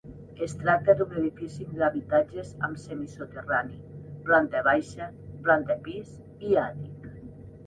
Es tracta d'un edifici d'habitatges amb semisoterrani, planta baixa, planta pis i àtic.